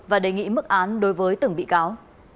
và đề nghị mức án đối với từng bị cáo